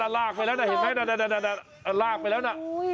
ลากไปแล้วนะเห็นไหมลากไปแล้วนะ